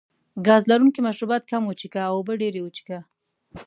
ګاز لرونکي مشروبات کم وڅښه او اوبه ډېرې وڅښئ.